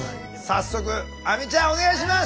早速亜美ちゃんお願いします！